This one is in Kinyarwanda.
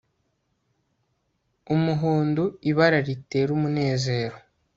Umuhondoibara ritera umunezero